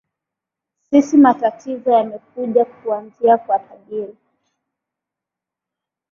sisi matatizo yamekuja kuanzia kwa tajiri